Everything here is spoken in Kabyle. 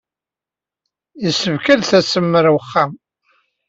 Yessefk ad d-tasem ɣer wexxam.